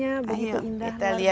sambut jalan ya